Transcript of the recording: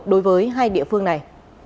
đối với hai địa phương này